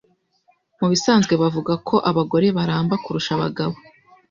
Mubisanzwe bavuga ko abagore baramba kurusha abagabo.